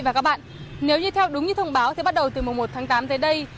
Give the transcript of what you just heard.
và các bạn nếu như theo đúng như thông báo thì bắt đầu từ mùa một tháng tám tới đây